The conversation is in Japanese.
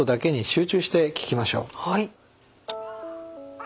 はい。